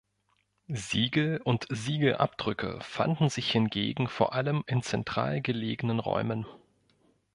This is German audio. Siegel und Siegelabdrücke fanden sich hingegen vor allem in zentral gelegenen Räumen.